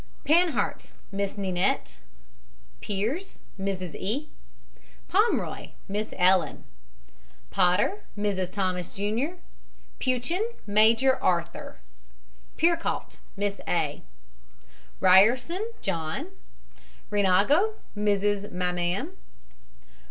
PANHART, MISS NINETTE. PEARS, MRS. E. POMROY, MISS ELLEN. POTTER, MRS. THOMAS, JR. PEUCHEN, MAJOR ARTHUR. PEERCAULT, MISS A. RYERSON, JOHN. RENAGO, MRS. MAMAM.